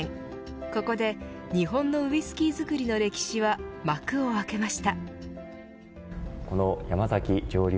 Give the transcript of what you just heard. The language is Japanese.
ここで日本のウイスキー造りの歴史は幕を開けました。